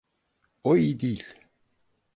O iyi değil.